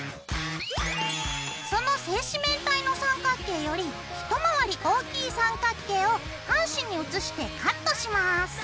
その正四面体の三角形より一回り大きい三角形を半紙に写してカットします。